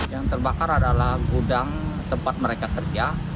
yang terbakar adalah gudang tempat mereka kerja